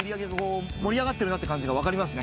盛り上がってるなって感じがわかりますね。